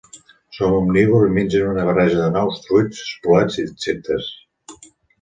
Són omnívors i mengen una barreja de nous, fruits, bolets i insectes.